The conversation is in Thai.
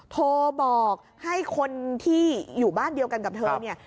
โทรบอกให้คนที่อยู่บ้านเดียวกันกับเธอเนี่ย